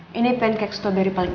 suapan pertama mbak mbak